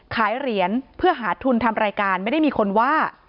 ขายเหรียญเพื่อหาทุนทำรายการไม่ได้มีคนว่า